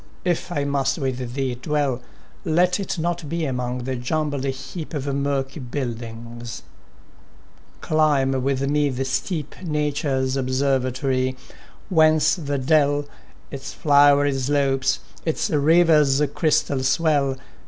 if I must with thee dwell, Let it not be among the jumbled heap Of murky buildings ; climb with me the steep, — Nature's observatory, — whence the dell, Its flowery slopes, its river's crystal swell.